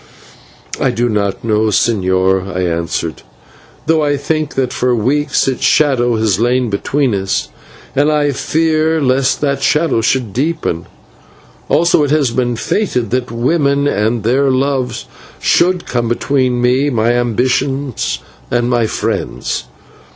"I do not know, señor," I answered, "though I think that for weeks its shadow has laid between us, and I fear lest that shadow should deepen. Also it has been fated that women and their loves should come between me, my ambitions, and my friends.